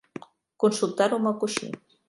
Consultar-ho amb el coixí.